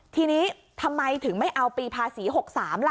ทีนี้ทำไมถึงไม่เอาปีภาษี๖๓ล่ะ